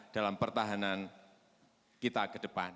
dalam pertahanan kita ke depan